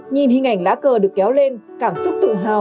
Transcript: nhìn hình ảnh lá cờ được kéo lên cảm xúc tự hào